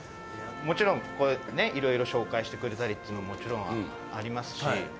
もちろん、いろいろ紹介してくれたりっていうのもちろんありますしＭ‐